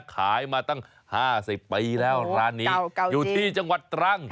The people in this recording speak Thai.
ขายมาตั้งห้าสิบปีแล้วโอ้โหร้านนี้เก่าเก่าจริงอยู่ที่จังหวัดตรัง